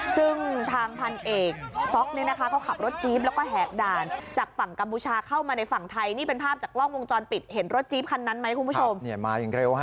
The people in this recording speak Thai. ซึ่งทางพันเอกซอกเลยนะคะ